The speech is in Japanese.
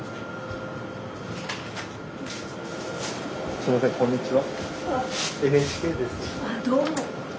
すいませんこんにちは。